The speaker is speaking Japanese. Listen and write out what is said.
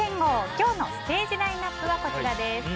今日のステージラインアップはこちらです。